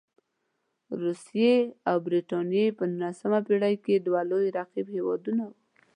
روسیې او برټانیې په نولسمه پېړۍ کې دوه لوی رقیب هېوادونه وو.